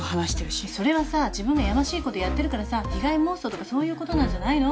それはさ自分がやましいことやってるからさ被害妄想とかそういうことなんじゃないの？